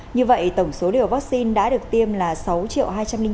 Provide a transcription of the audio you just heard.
như vậy tổng số liều vaccine đã được tiêm là sáu hai trăm linh ba tám trăm sáu mươi sáu liều